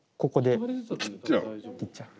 切っちゃう。